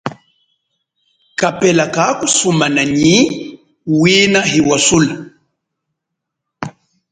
Kapela kakusumana nyi wina hiwasula.